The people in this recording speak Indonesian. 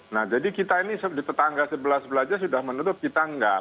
nah jadi kita ini tetangga sebelah sebelah saja sudah menutup kita enggak